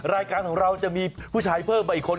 รายการของเราจะมีผู้ชายเพิ่มมาอีกคน